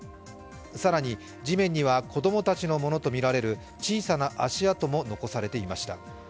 更に、地面には子供たちのものとみられる小さな足跡も残されていました。